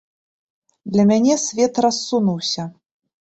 Для мяне свет рассунуўся.